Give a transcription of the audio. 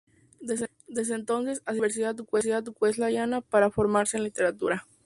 Desde entonces, asistió a la Universidad Wesleyana, para formarse en literatura.